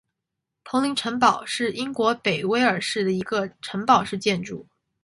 彭林城堡是英国北威尔士的一个城堡式建筑。